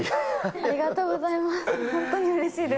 ありがとうございます。